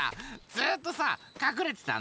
ずっとさかくれてたの。